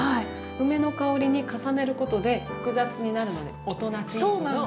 梅の香りに重ねることで複雑になるので大人テイストの梅ジュース。